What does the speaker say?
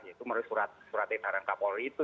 yaitu melalui surat edaran kapolri itu